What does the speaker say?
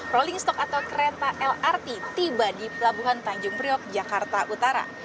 rolling stock atau kereta lrt tiba di pelabuhan tanjung priok jakarta utara